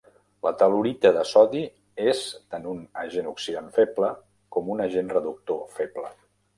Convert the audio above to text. La tel·lurita de sodi és tant un agent oxidant feble com un agent reductor feble.